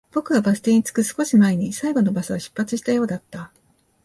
僕がバス停に着く少し前に、最後のバスは出発したようだった